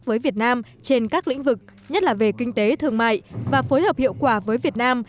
với việt nam trên các lĩnh vực nhất là về kinh tế thương mại và phối hợp hiệu quả với việt nam